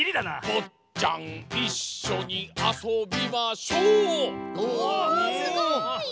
「ぼっちゃんいっしょにあそびましょう」おすごい。